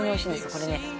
これね